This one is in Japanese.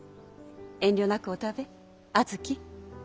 遠慮なくお食べ阿月。